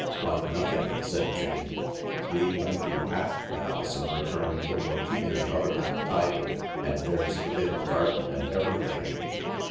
" Why, nothing !" said Jane. " We lend you half the house in return for your keeping the other half tidy. And there's the bit of garden and everything."